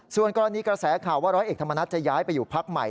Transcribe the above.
ส่วนกรณีกระแสข่าวว่าร้อยเอกธรรมนัฐจะย้ายไปอยู่พักใหม่